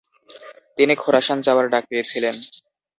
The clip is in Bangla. তিনি খোরাসান যাওয়ার ডাক পেয়েছিলেন।